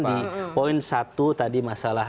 di poin satu tadi masalah